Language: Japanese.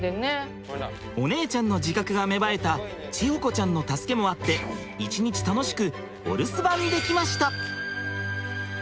お姉ちゃんの自覚が芽生えた智穂子ちゃんの助けもあって一日楽しくお留守番できました！